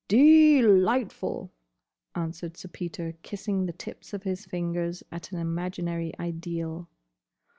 "De lightful!" answered Sir Peter, kissing the tips of his fingers at an imaginary ideal.